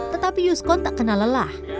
tetapi yuskon tak kena lelah